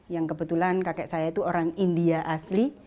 yang kebetulan kakek saya itu orang india asli